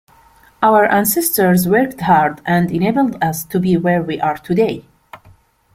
Our ancestors worked hard and enabled us to be where we are today.